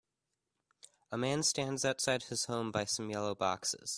A man stands outside his home by some yellow boxes.